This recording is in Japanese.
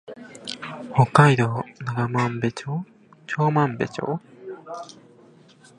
北海道長万部町